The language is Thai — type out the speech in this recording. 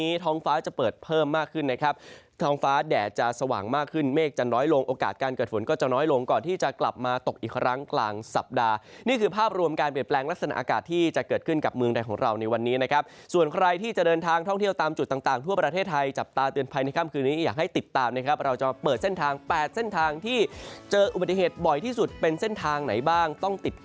อีกครั้งกลางสัปดาห์นี่คือภาพรวมการเปลี่ยนแปลงลักษณะอากาศที่จะเกิดขึ้นกับเมืองใดของเราในวันนี้นะครับส่วนใครที่จะเดินทางท่องเที่ยวตามจุดต่างทั่วประเทศไทยจับตาเตือนภัยในค่ำคืนนี้อยากให้ติดตามนะครับเราจะเปิดเส้นทาง๘เส้นทางที่เจออุบัติเหตุบ่อยที่สุดเป็นเส้นทางไหนบ้างต้องติดต